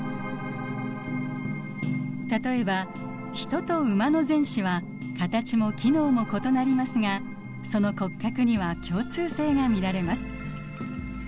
例えばヒトとウマの前肢は形も機能も異なりますがその骨格には共通性が見られます。